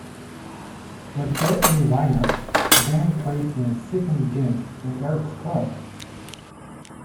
With that new line-up, the band played their second gig at Eric's Club.